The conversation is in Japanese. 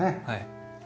はい。